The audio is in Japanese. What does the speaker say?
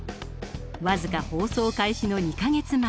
僅か放送開始の２か月前。